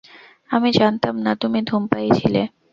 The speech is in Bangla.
আমি জানতাম না তুমি ধূমপায়ী ছিলে।